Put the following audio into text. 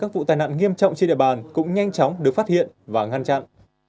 các vụ tai nạn nghiêm trọng trên địa bàn cũng nhanh chóng được phát hiện và ngăn chặn